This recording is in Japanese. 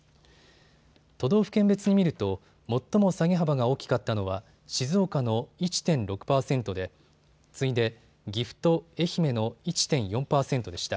都道府県別に見ると最も下げ幅が大きかったのは静岡の１．６％で次いで岐阜と愛媛の１．４％でした。